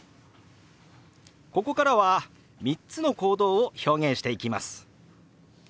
ここからは３つの行動を表現していきます。